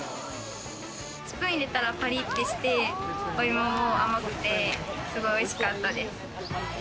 スプーン入れたらパリってして、お芋も甘くて、すごい美味しかったです。